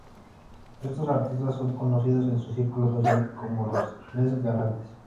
Estos artistas son conocidos en su círculo social como "Los Tres Galantes".